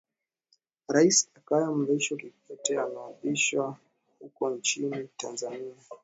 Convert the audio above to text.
rais jakaya mrisho kikwete anaapishwa huko nchini tanzania